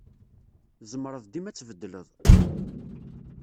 Tzemreḍ dima ad tbeddeleḍ.